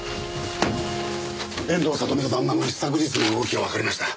遠藤里実と旦那の一昨日の動きがわかりました。